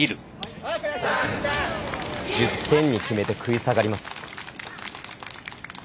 １０点に決めて食い下がります。